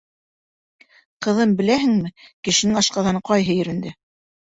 — Ҡыҙым, беләһеңме, кешенең ашҡаҙаны ҡайһы ерендә?